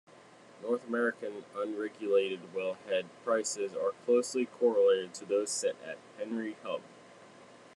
North American unregulated wellhead prices are closely correlated to those set at Henry Hub.